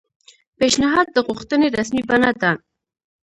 پیشنھاد د غوښتنې رسمي بڼه ده